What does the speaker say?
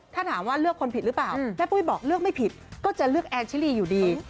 ถ้าถามว่าเลือกคนผิดหรือเปล่าแม่ปุ้ยบอกเลือกไม่ผิดก็จะเลือกแอนชิลีอยู่ดี